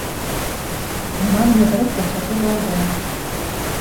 Унан йоҙроҡ күрһәтеп алды.